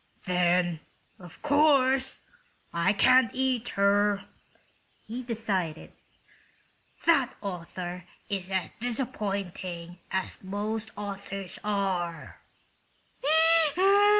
"Then, of course, I can't eat her," he decided. "That author is as disappointing as most authors are."